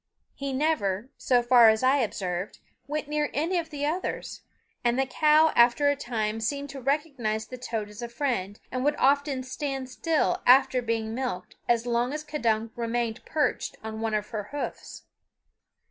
He never, so far as I observed, went near any of the others; and the cow after a time seemed to recognize the toad as a friend, and would often stand still after being milked as long as K'dunk remained perched on one of her hoofs.